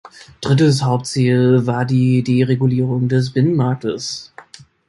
Drittes Hauptziel war die Deregulierung des Binnenmarktes.